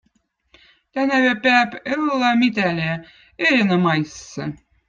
Tänäve piäb õlla mitäle erinomaissõ.